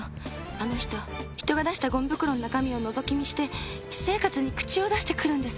あの人人が出したゴミ袋の中身をのぞき見して私生活に口を出してくるんです。